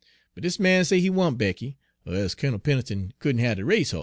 But dis man say he want Becky, er e'se Kunnel Pen'leton couldn' hab de race hoss.